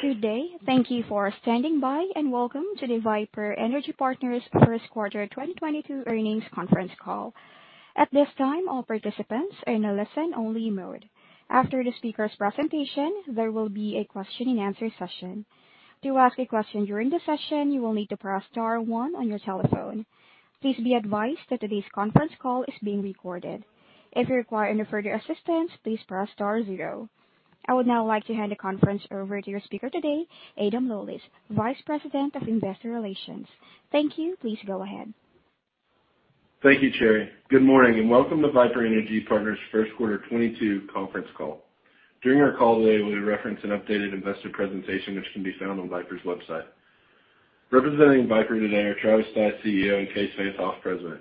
Good day. Thank you for standing by, and welcome to the Viper Energy Partners First Quarter 2022 Earnings Conference Call. At this time, all participants are in a listen only mode. After the speaker's presentation, there will be a question and answer session. To ask a question during the session, you will need to press star one on your telephone. Please be advised that today's conference call is being recorded. If you require any further assistance, please press star zero. I would now like to hand the conference over to your speaker today, Adam Lawlis, Vice President of Investor Relations. Thank you. Please go ahead. Thank you, Cherry. Good morning, and welcome to Viper Energy Partners first quarter 2022 conference call. During our call today, we reference an updated investor presentation which can be found on Viper's website. Representing Viper today are Travis Stice, CEO, and Kaes Van't Hof, President.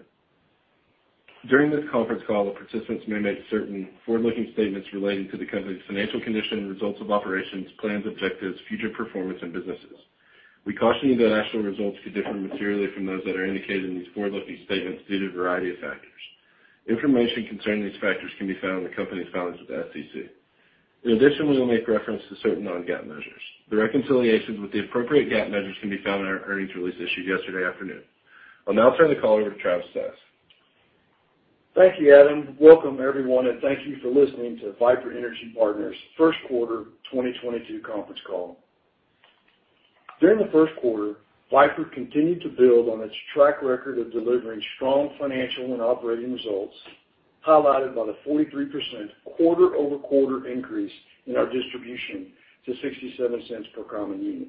During this conference call, the participants may make certain forward-looking statements relating to the company's financial condition, results of operations, plans, objectives, future performance and businesses. We caution you that actual results could differ materially from those that are indicated in these forward-looking statements due to a variety of factors. Information concerning these factors can be found in the company's filings with the SEC. In addition, we will make reference to certain non-GAAP measures. The reconciliations with the appropriate GAAP measures can be found in our earnings release issued yesterday afternoon. I'll now turn the call over to Travis Stice. Thank you, Adam. Welcome everyone, and thank you for listening to Viper Energy Partners first quarter 2022 conference call. During the first quarter, Viper continued to build on its track record of delivering strong financial and operating results, highlighted by the 43% quarter-over-quarter increase in our distribution to $0.67 per common unit.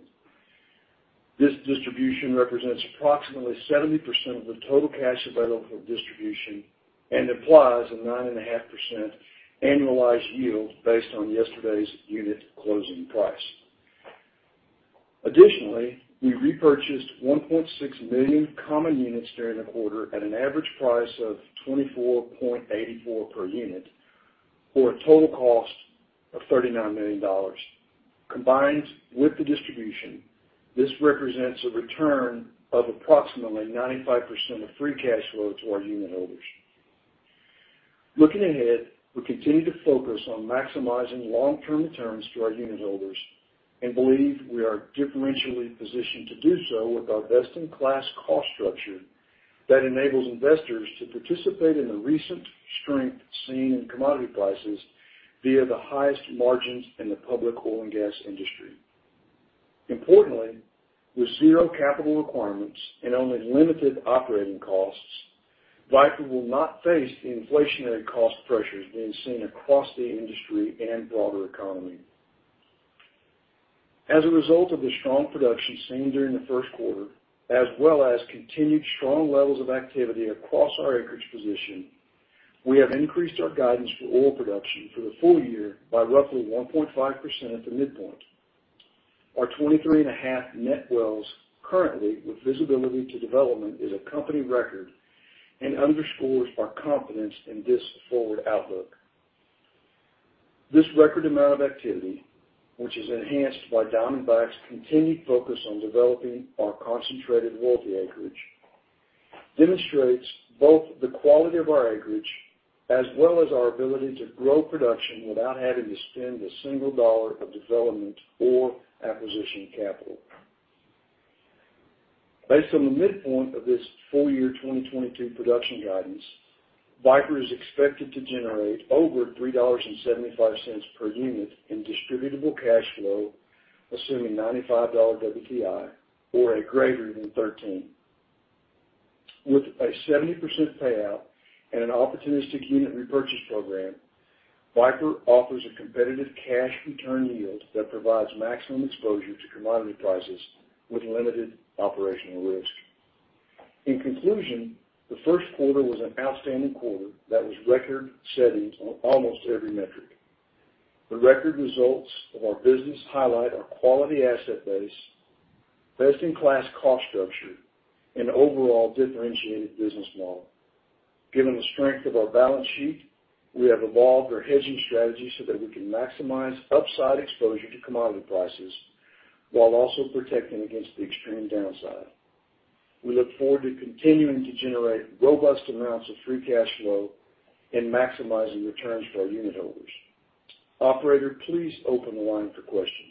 This distribution represents approximately 70% of the total cash available for distribution and implies a 9.5% annualized yield based on yesterday's unit closing price. Additionally, we repurchased 1.6 million common units during the quarter at an average price of $24.84 per unit, for a total cost of $39 million. Combined with the distribution, this represents a return of approximately 95% of free cash flow to our unitholders. Looking ahead, we continue to focus on maximizing long-term returns to our unitholders and believe we are differentially positioned to do so with our best in class cost structure that enables investors to participate in the recent strength seen in commodity prices via the highest margins in the public oil and gas industry. Importantly, with zero capital requirements and only limited operating costs, Viper will not face the inflationary cost pressures being seen across the industry and broader economy. As a result of the strong production seen during the first quarter, as well as continued strong levels of activity across our acreage position, we have increased our guidance for oil production for the full year by roughly 1.5% at the midpoint. Our 23.5 net wells currently with visibility to development is a company record and underscores our confidence in this forward outlook. This record amount of activity, which is enhanced by Diamondback's continued focus on developing our concentrated royalty acreage, demonstrates both the quality of our acreage as well as our ability to grow production without having to spend a single dollar of development or acquisition capital. Based on the midpoint of this full year 2022 production guidance, Viper is expected to generate over $3.75 per unit in distributable cash flow, assuming $95 WTI or a greater than 13. With a 70% payout and an opportunistic unit repurchase program, Viper offers a competitive cash return yield that provides maximum exposure to commodity prices with limited operational risk. In conclusion, the first quarter was an outstanding quarter that was record-setting on almost every metric. The record results of our business highlight our quality asset base, best in class cost structure, and overall differentiated business model. Given the strength of our balance sheet, we have evolved our hedging strategy so that we can maximize upside exposure to commodity prices while also protecting against the extreme downside. We look forward to continuing to generate robust amounts of free cash flow and maximizing returns for our unitholders. Operator, please open the line for questions.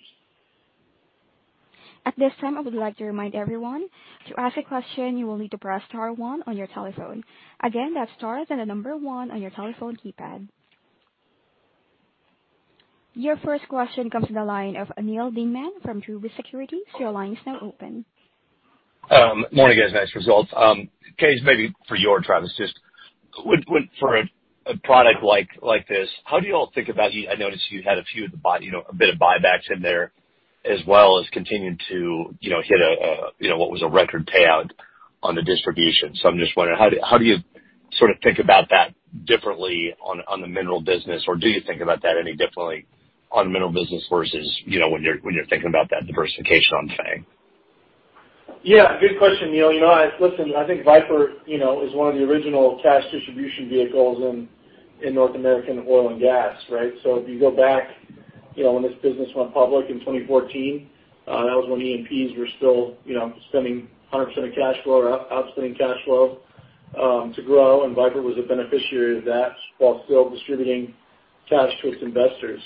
At this time, I would like to remind everyone to ask a question you will need to press star one on your telephone. Again, that's star, then the number one on your telephone keypad. Your first question comes from the line of Neal Dingmann from Truist Securities. Your line is now open. Morning guys. Nice results. Kaes, maybe for you or Travis, just for a product like this, how do you all think about. I noticed you had a few buybacks in there as well as continuing to, you know, hit what was a record payout on the distribution. I'm just wondering, how do you sort of think about that differently on the mineral business? Or do you think about that any differently on mineral business versus, you know, when you're thinking about that diversification on FANG? Yeah, good question, Neal. You know, listen, I think Viper, you know, is one of the original cash distribution vehicles in North American oil and gas, right? If you go back, you know, when this business went public in 2014, that was when E&Ps were still, you know, spending 100% of cash flow or outsourcing cash flow To grow and Viper was a beneficiary of that while still distributing cash to its investors.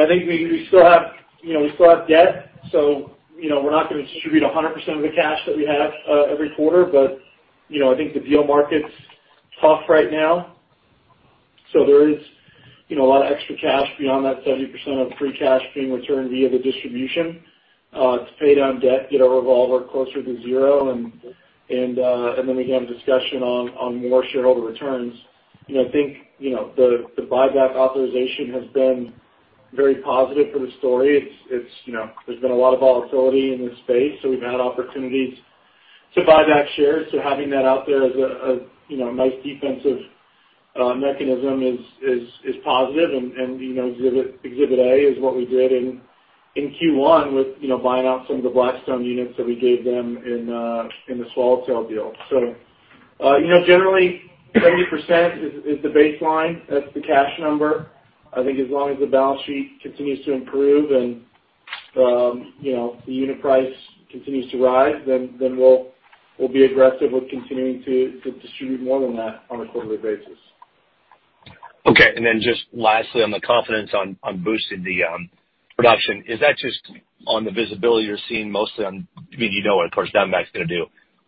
I think we still have debt, so you know, we're not gonna distribute 100% of the cash that we have every quarter. You know, I think the deal market's tough right now, so there is you know, a lot of extra cash beyond that 30% of free cash being returned via the distribution to pay down debt, get our revolver closer to zero. Then again, discussion on more shareholder returns. You know, I think you know, the buyback authorization has been very positive for the story. It's, you know, there's been a lot of volatility in this space, so we've had opportunities to buy back shares. Having that out there as a, you know, nice defensive mechanism is positive. You know, exhibit A is what we did in Q1 with, you know, buying out some of the Blackstone units that we gave them in the Swallowtail deal. You know, generally 30% is the baseline. That's the cash number. I think as long as the balance sheet continues to improve and, you know, the unit price continues to rise, then we'll be aggressive with continuing to distribute more than that on a quarterly basis. Okay. Just lastly on the confidence on boosting the production. Is that just on the visibility you're seeing mostly on? I mean, you know what, of course, Diamondback's gonna do.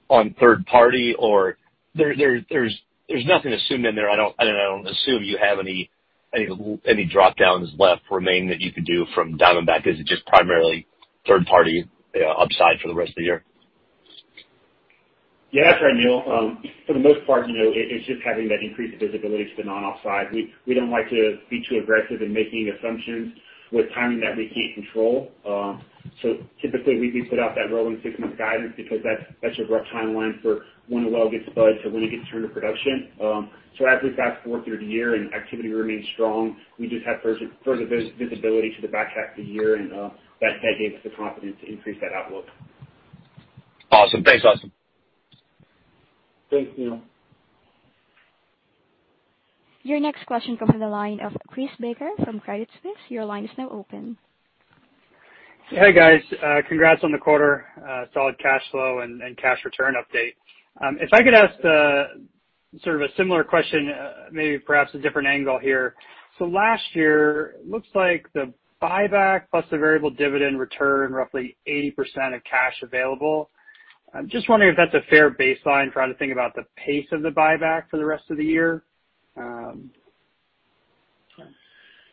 On third party or there's nothing assumed in there. I don't assume you have any drop downs left remaining that you could do from Diamondback. Is it just primarily third party upside for the rest of the year? Yeah. That's right, Neal. For the most part, you know, it's just having that increased visibility to the non-op side. We don't like to be too aggressive in making assumptions with timing that we can't control. Typically we put out that rolling six-month guidance because that's a rough timeline for when a well gets spud to when it gets turned to production. As we fast-forward through the year and activity remains strong, we just have further visibility to the back half of the year and that gave us the confidence to increase that outlook. Awesome. Thanks, Austen. Thanks, Neal. Your next question comes from the line of Chris Baker from Credit Suisse. Your line is now open. Hey, guys. Congrats on the quarter, solid cash flow and cash return update. If I could ask sort of a similar question, maybe perhaps a different angle here. Last year looks like the buyback plus the variable dividend returned roughly 80% of cash available. I'm just wondering if that's a fair baseline trying to think about the pace of the buyback for the rest of the year.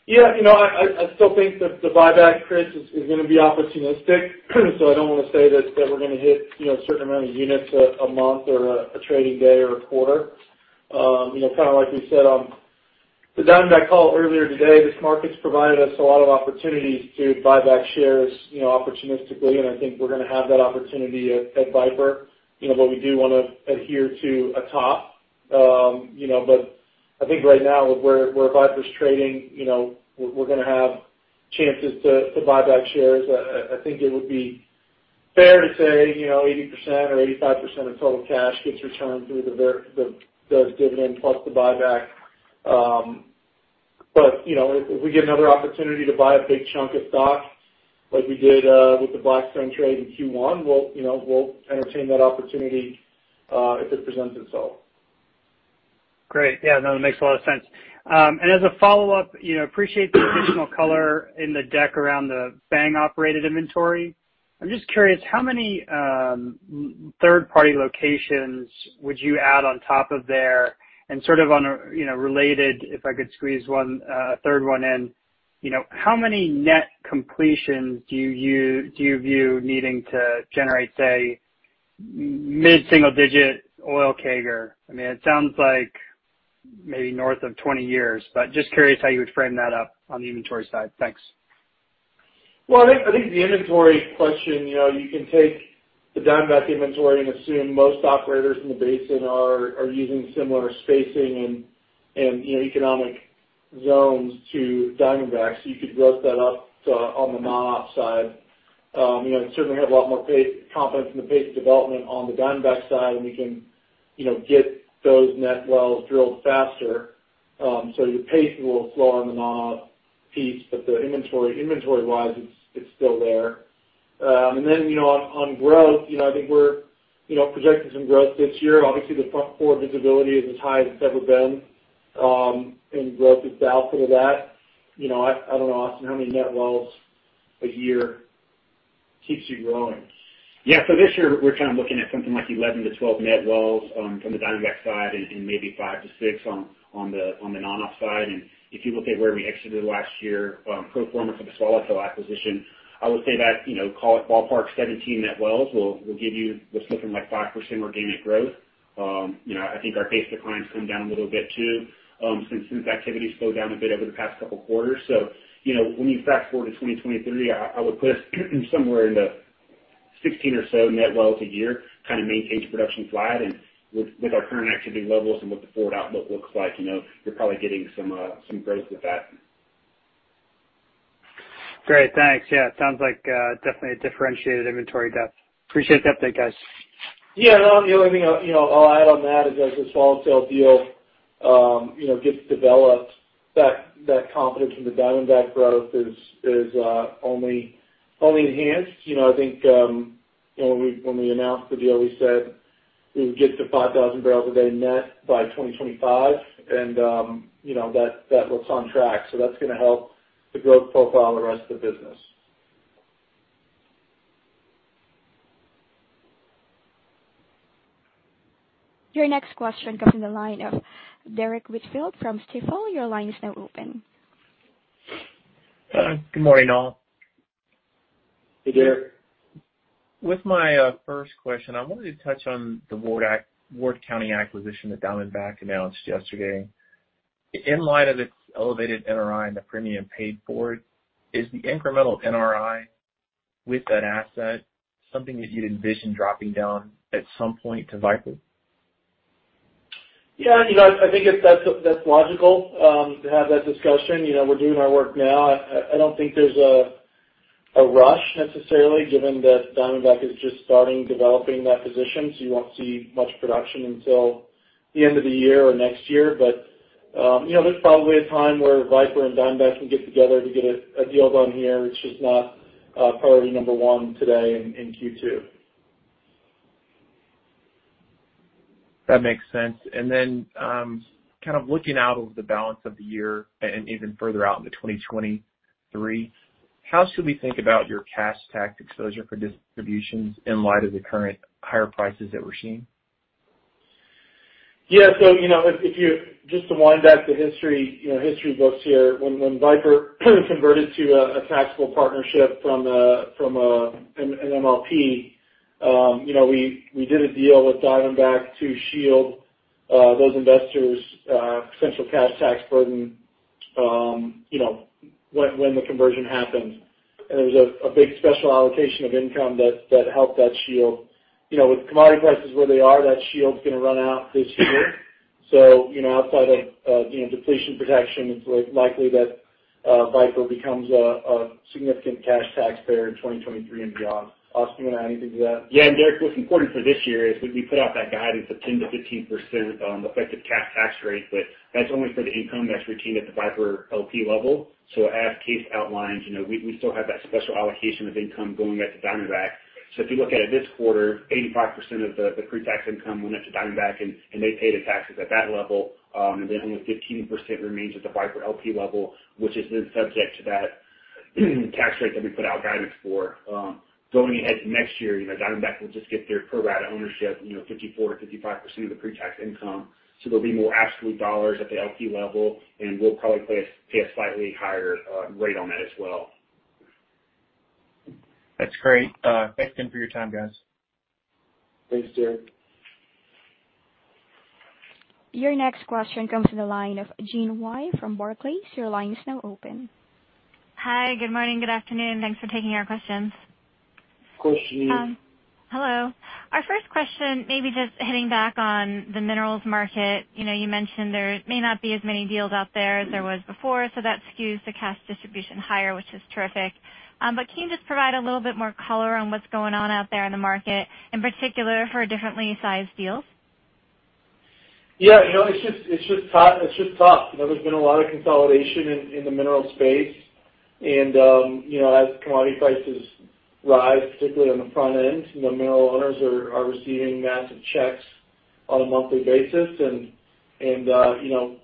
Yeah. You know, I still think that the buyback, Chris, is gonna be opportunistic. I don't wanna say that we're gonna hit, you know, a certain amount of units a month or a trading day or a quarter. You know, kind of like we said on the Diamondback call earlier today, this market's provided us a lot of opportunities to buy back shares, you know, opportunistically, and I think we're gonna have that opportunity at Viper. You know, we do wanna adhere to a top. You know, I think right now where Viper's trading, you know, we're gonna have chances to buy back shares. I think it would be fair to say, you know, 80% or 85% of total cash gets returned through the dividend plus the buyback. You know, if we get another opportunity to buy a big chunk of stock like we did with the Blackstone trade in Q1, we'll, you know, entertain that opportunity if it presents itself. Great. Yeah, no, that makes a lot of sense. As a follow-up, you know, appreciate the additional color in the deck around the FANG operated inventory. I'm just curious how many third-party locations would you add on top of there? Sort of on a related, if I could squeeze one third one in, you know, how many net completions do you view needing to generate, say, mid-single digit oil CAGR? I mean, it sounds like maybe north of 20 years, but just curious how you would frame that up on the inventory side. Thanks. Well, I think the inventory question, you know, you can take the Diamondback inventory and assume most operators in the basin are using similar spacing and, you know, economic zones to Diamondback. So you could gross that up to, on the non-op side. You know, certainly have a lot more confidence in the pace of development on the Diamondback side, and we can, you know, get those net wells drilled faster. So the pace is a little slower on the non-op piece, but the inventory-wise, it's still there. And then, you know, on growth, you know, I think we're, you know, projecting some growth this year. Obviously, the forward visibility is as high as it's ever been, and growth is the output of that. You know, I don't know, Austen, how many net wells a year keeps you growing. Yeah. This year we're kind of looking at something like 11-12 net wells from the Diamondback side and maybe 5-6 on the non-op side. If you look at where we exited last year, pro forma for the Swallowtail acquisition, I would say that you know call it ballpark 17 net wells will give you what's looking like 5% organic growth. You know I think our base declines come down a little bit too since activity slowed down a bit over the past couple quarters. You know, when you fast forward to 2023, I would put us somewhere in the 16 or so net wells a year, kind of maintains production flat and with our current activity levels and what the forward outlook looks like, you know, you're probably getting some growth with that. Great. Thanks. Yeah, it sounds like definitely a differentiated inventory depth. Appreciate the update, guys. Yeah. The only thing you know, I'll add on that is that the Swallowtail deal gets developed, that confidence from the Diamondback Energy growth is only enhanced. You know, I think you know, when we announced the deal, we said we would get to 5,000 barrels a day net by 2025. You know, that looks on track. That's gonna help the growth profile of the rest of the business. Your next question comes from the line of Derrick Whitfield from Stifel. Your line is now open. Good morning, all. Hey, Derrick. With my first question, I wanted to touch on the Ward County acquisition that Diamondback announced yesterday. In light of its elevated NRI and the premium paid for it, is the incremental NRI with that asset something that you'd envision dropping down at some point to Viper? Yeah, you know, I think that's logical to have that discussion. You know, we're doing our work now. I don't think there's a rush necessarily, given that Diamondback is just starting developing that position. You won't see much production until the end of the year or next year. You know, there's probably a time where Viper and Diamondback can get together to get a deal done here. It's just not priority number one today in Q2. That makes sense. Kind of looking out over the balance of the year and even further out into 2023, how should we think about your cash tax exposure for distributions in light of the current higher prices that we're seeing? Yeah. You know, if you just to wind back the history, you know, history books here. When Viper converted to a taxable partnership from an MLP, you know, we did a deal with Diamondback to shield those investors' essential cash tax burden, you know, when the conversion happened. There was a big special allocation of income that helped that shield. You know, with commodity prices where they are, that shield's gonna run out this year. You know, outside of, you know, depletion protection, it's likely that Viper becomes a significant cash taxpayer in 2023 and beyond. Austen, you wanna add anything to that? Yeah, Derrick, what's important for this year is we put out that guidance of 10%-15% effective cash tax rate, but that's only for the income that's retained at the Viper LP level. As Kaes outlines, you know, we still have that special allocation of income going out to Diamondback. If you look at it this quarter, 85% of the pre-tax income went out to Diamondback, and they pay the taxes at that level. Then only 15% remains at the Viper LP level, which is then subject to that tax rate that we put out guidance for. Going ahead to next year, you know, Diamondback will just get their pro rata ownership, you know, 54%-55% of the pre-tax income. There'll be more absolute dollars at the LP level, and we'll probably pay a slightly higher rate on that as well. That's great. Thanks again for your time, guys. Thanks, Derrick. Your next question comes from the line of Jeanine Wai from Barclays. Your line is now open. Hi, good morning, good afternoon. Thanks for taking our questions. Of course, Jeanine. Hello. Our first question, maybe just hitting back on the minerals market. You know, you mentioned there may not be as many deals out there as there was before, so that skews the cash distribution higher, which is terrific. Can you just provide a little bit more color on what's going on out there in the market, in particular for differently sized deals? Yeah. No, it's just tough. You know, there's been a lot of consolidation in the minerals space. You know, as commodity prices rise, particularly on the front end, you know, mineral owners are receiving massive checks on a monthly basis. You know,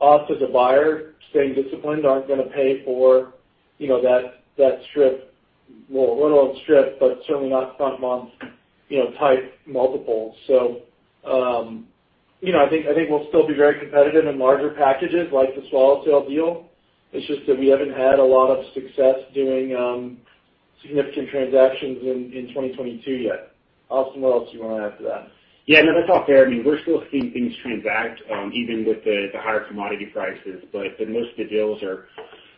us as a buyer staying disciplined, aren't gonna pay for that strip. Well, a little on strip, but certainly not front-month type multiples. You know, I think we'll still be very competitive in larger packages like the Swallowtail deal. It's just that we haven't had a lot of success doing significant transactions in 2022 yet. Austen, what else do you wanna add to that? Yeah, no, that's all fair. I mean, we're still seeing things transact, even with the higher commodity prices. Most of the deals are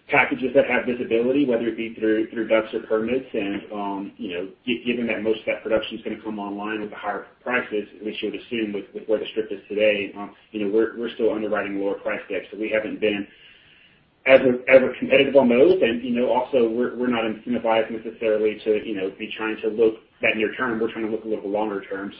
packages that have visibility, whether it be through DUCs or permits. Given that most of that production's gonna come online with the higher prices, we should assume with where the strip is today, you know, we're still underwriting lower price decks. We haven't been as competitive on those. You know, also, we're not incentivized necessarily to, you know, be trying to look that near term. We're trying to look a little longer term.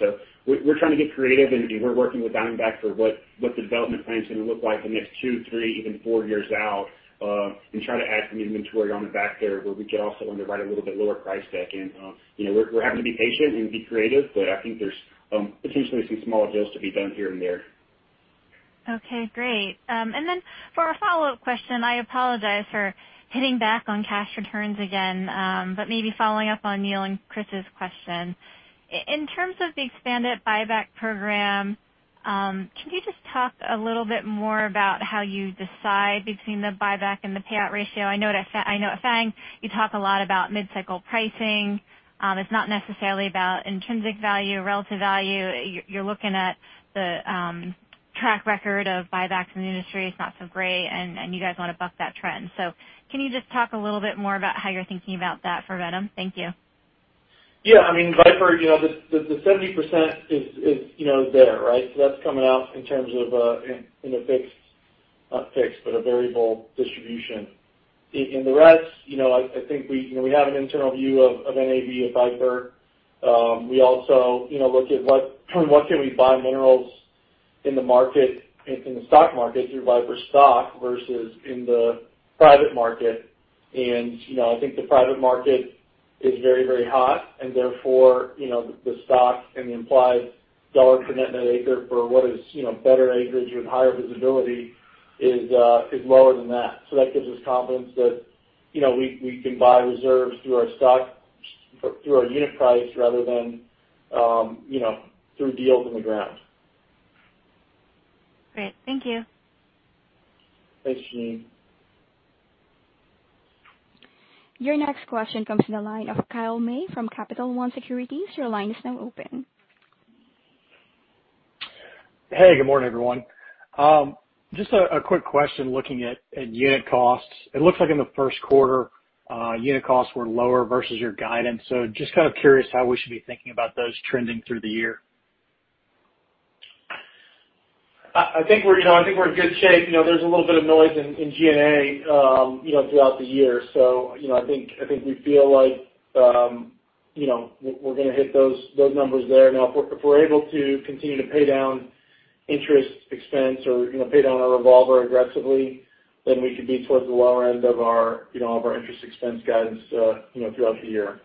We're trying to get creative, and we're working with Diamondback for what the development plan's gonna look like the next two, three, even four years out, and try to add some inventory on the back there, where we could also underwrite a little bit lower price deck. You know, we're having to be patient and be creative, but I think there's potentially some smaller deals to be done here and there. Okay, great. Then for a follow-up question, I apologize for hitting back on cash returns again. Maybe following up on Neal and Chris's question. In terms of the expanded buyback program, can you just talk a little bit more about how you decide between the buyback and the payout ratio? I know at FANG, you talk a lot about mid-cycle pricing. It's not necessarily about intrinsic value, relative value. You're looking at the track record of buybacks in the industry. It's not so great, and you guys wanna buck that trend. Can you just talk a little bit more about how you're thinking about that for VNOM? Thank you. Yeah. I mean, Viper, the 70% is there, right? So that's coming out in terms of a not fixed, but a variable distribution. In the rest, I think we have an internal view of NAV at Viper. We also look at what can we buy minerals in the market, in the stock market through Viper stock versus in the private market. I think the private market is very hot, and therefore, the stock and the implied dollar net acre for what is better acreage with higher visibility is lower than that. That gives us confidence that, you know, we can buy reserves through our stock, through our unit price rather than, you know, through deals in the ground. Great. Thank you. Thanks, Jeanine. Your next question comes from the line of Kyle May from Capital One Securities. Your line is now open. Hey, good morning, everyone. Just a quick question looking at unit costs. It looks like in the first quarter, unit costs were lower versus your guidance. Just kind of curious how we should be thinking about those trending through the year. I think we're in good shape. You know, there's a little bit of noise in G&A throughout the year. I think we feel like we're gonna hit those numbers there. Now, if we're able to continue to pay down interest expense or pay down our revolver aggressively, then we could be towards the lower end of our interest expense guidance throughout the year.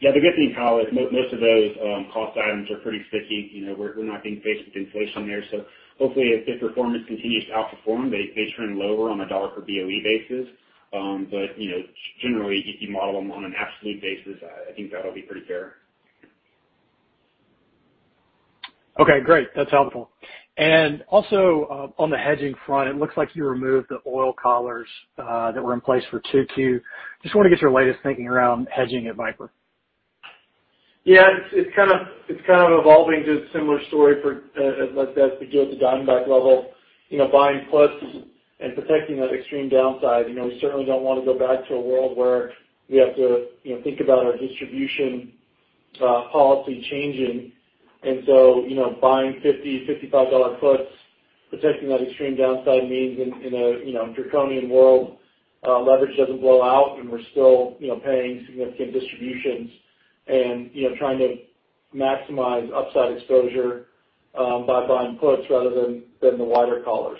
Yeah, the good thing, Kyle, is most of those cost items are pretty sticky. You know, we're not being faced with inflation there. Hopefully if performance continues to outperform, they trend lower on a dollar per BOE basis. You know, generally if you model them on an absolute basis, I think that'll be pretty fair. Okay, great. That's helpful. On the hedging front, it looks like you removed the oil collars that were in place for 2Q. Just wanna get your latest thinking around hedging at Viper. Yeah, it's kind of evolving to a similar story for like Kaes Van't Hof gave at the Diamondback level. You know, buying puts and protecting that extreme downside. You know, we certainly don't wanna go back to a world where we have to, you know, think about our distribution policy changing. You know, buying $50, $55 dollar puts, protecting that extreme downside means in a draconian world, leverage doesn't blow out, and we're still, you know, paying significant distributions and, you know, trying to maximize upside exposure by buying puts rather than the wider collars.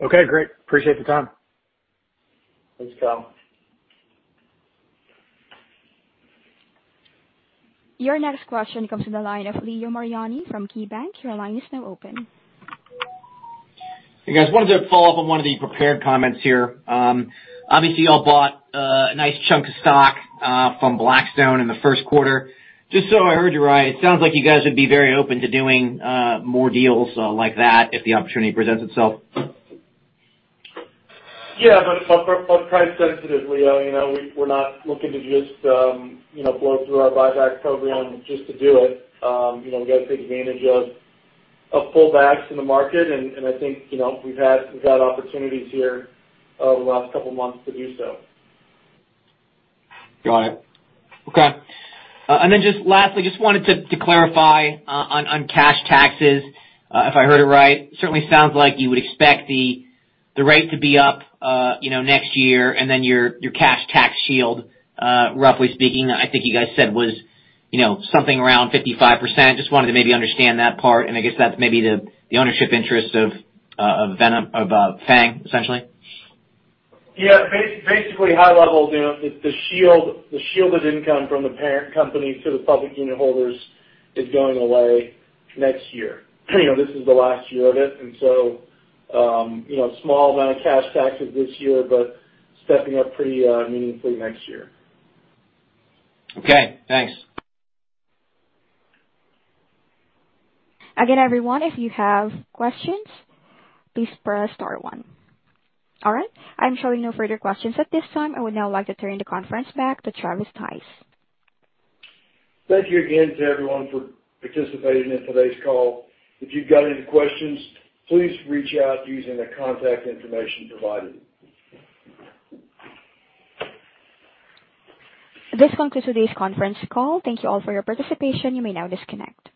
Okay, great. Appreciate the time. Thanks, Kyle. Your next question comes from the line of Leo Mariani from KeyBank. Your line is now open. Hey, guys. Wanted to follow up on one of the prepared comments here. Obviously, y'all bought a nice chunk of stock from Blackstone in the first quarter. Just so I heard you right, it sounds like you guys would be very open to doing more deals like that if the opportunity presents itself. Yeah, we're price sensitive, Leo. You know, we're not looking to just, you know, blow through our buyback program just to do it. You know, we got to take advantage of pullbacks in the market and I think, you know, we've had, we've got opportunities here over the last couple months to do so. Got it. Okay. Just lastly, just wanted to clarify on cash taxes. If I heard it right, certainly sounds like you would expect the rate to be up, you know, next year and then your cash tax shield, roughly speaking, I think you guys said was, you know, something around 55%. Just wanted to maybe understand that part, and I guess that's maybe the ownership interest of VNOM, of FANG, essentially. Yeah. Basically high level, you know, the shield, the shielded income from the parent company to the public unit holders is going away next year. You know, this is the last year of it. Small amount of cash taxes this year, but stepping up pretty meaningfully next year. Okay, thanks. Again, everyone, if you have questions, please press star one. All right. I'm showing no further questions at this time. I would now like to turn the conference back to Travis Stice. Thank you again to everyone for participating in today's call. If you've got any questions, please reach out using the contact information provided. This concludes today's conference call. Thank you all for your participation. You may now disconnect.